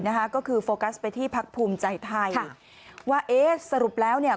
นะคะก็คือโฟกัสไปที่พักภูมิใจไทยว่าเอ๊ะสรุปแล้วเนี่ย